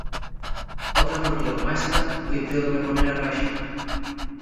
Otra fartura como esta y teo que me poner a réxime.